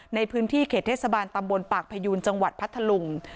ในพื้นที่เขตเทศบาลตำบลปากพยูนจังหวัดพัทธลุง